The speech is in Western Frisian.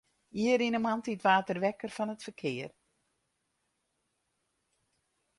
Ier yn 'e moarntiid waard er wekker fan it ferkear.